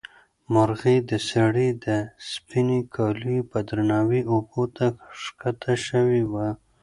مرغۍ د سړي د سپینې کالیو په درناوي اوبو ته ښکته شوې وه.